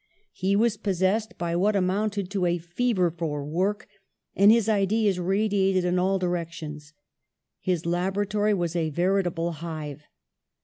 He was possessed by what amounted to a fever for work, and his ideas radiated in all direc tions. His laboratory was a veritable hive.